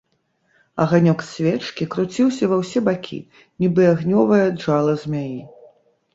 Аганёк свечкі круціўся ва ўсе бакі, нібы агнёвае джала змяі.